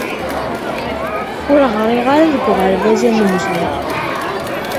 Ur ɣriɣ ara deg uɣerbaz amezwaru.